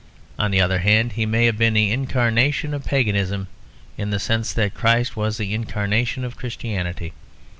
On the other hand, he may have been the incarnation of paganism in the sense that Christ was the incarnation of Christianity.